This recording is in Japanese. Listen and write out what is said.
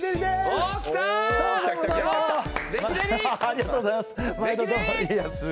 ありがとうございます。